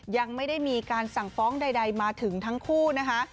ยังไม่ได้มีการสั่งฟ้องใดมาถึงทั้งคู่นะคะ